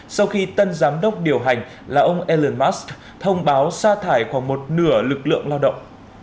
sau khi tân giám đốc điều hành là ông elon musk thông báo xa thải khoảng một nửa lực lượng lao động